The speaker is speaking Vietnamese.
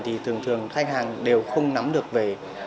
thì thường thường khách hàng đều không nắm được về